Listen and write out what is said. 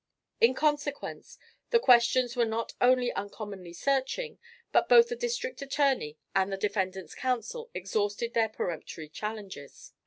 In consequence the questions were not only uncommonly searching, but both the district attorney and the defendant's counsel exhausted their peremptory challenges.